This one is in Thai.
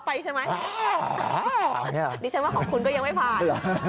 ดิฉันว่าของคุณก็ยังไม่ผ่าน